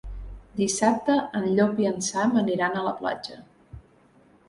Dissabte en Llop i en Sam aniran a la platja.